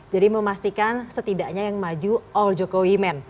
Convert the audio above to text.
jadi memastikan setidaknya yang maju all jokowi men